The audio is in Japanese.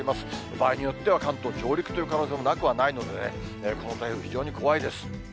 場合によっては関東上陸という可能性もなくはないのでね、この台風、非常に怖いです。